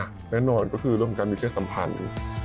อ่ะแน่นอนก็คือเรื่องการมีเครื่องสัมพันธ์